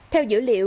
theo dữ liệu